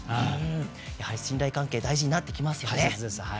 信頼関係大事になってきますよね。